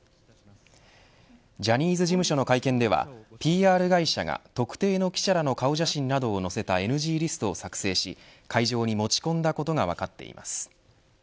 ジャニーズ事務所の会見ではＰＲ会社が特定の記者らの顔写真などを載せたＮＧリストを作成し会場に持ち込んだことが分かっています。